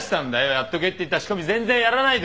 やっとけって言った仕込み全然やらないで。